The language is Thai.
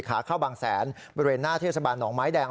ขาเข้าบางแสนบนเบนหน้าเที่ยวสะบานหนองไม้แดง